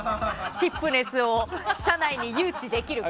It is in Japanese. ティップネスを社内に誘致できるか。